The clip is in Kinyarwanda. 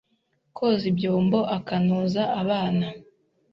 koza ibyombo akanoza abana